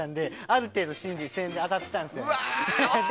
ある程度当たってたんですよ。